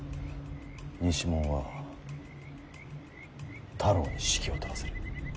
西門は太郎に指揮を執らせる。